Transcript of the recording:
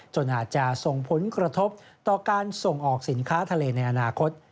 จนอาจจะส่งผลกระทบต่อการส่งออกสินค้าทะเลในอนาคต